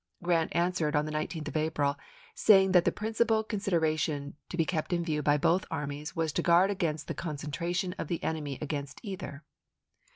Grant answered on the 19th of April, saying that the principal con sideration to be kept in view by both armies was to guard against the concentration of the enemy against either.